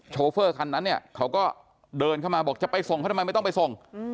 โฟคันนั้นเนี่ยเขาก็เดินเข้ามาบอกจะไปส่งเขาทำไมไม่ต้องไปส่ง